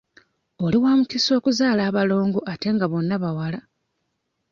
Oli wa mukisa okuzaala abalongo ate nga bonna bawala.